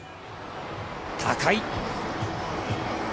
高い。